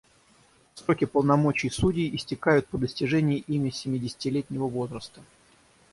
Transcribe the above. Сроки полномочий судей истекают по достижении ими семидесятилетнего возраста.